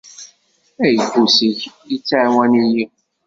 Ayeffus-ik ittɛawan-iyi.